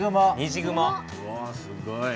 うわすごい。